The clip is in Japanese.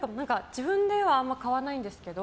自分ではあんま買わないんですけど